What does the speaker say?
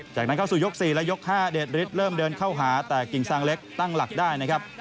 จากนั้นเข้าสู่ยก๔และยก๕เดชฤทธิ์เริ่มเดินเข้าหาแต่กิ่งซางเล็กตั้งหลักได้นะครับ